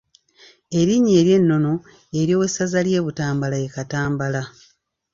Erinnya ery’ennono ery’owessaza ly’e Butambala ye Katambala.